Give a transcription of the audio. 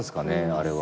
あれは。